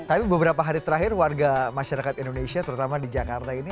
tapi beberapa hari terakhir warga masyarakat indonesia terutama di jakarta ini